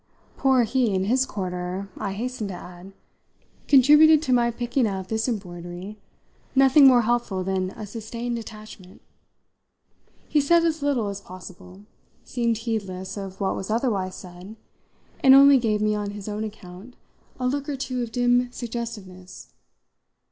Poor he, in his quarter, I hasten to add, contributed to my picking out this embroidery nothing more helpful than a sustained detachment. He said as little as possible, seemed heedless of what was otherwise said, and only gave me on his own account a look or two of dim suggestiveness.